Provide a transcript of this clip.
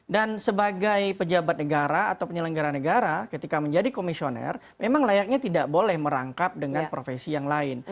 dan sebagai pejabat negara atau penyelenggara negara ketika menjadi komisioner memang layaknya tidak boleh merangkap dengan profesi yang lain